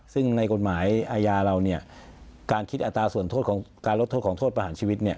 ซึ่งในกฎหมายอาญาเราการลดโทษของโทษประหารชีวิต